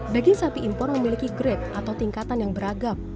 daging sapi impor memiliki grade atau tingkatan yang beragam